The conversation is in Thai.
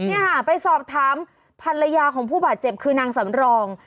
เนี่ยค่ะไปสอบถามภรรยาของผู้บาดเจ็บคือนางสำรอง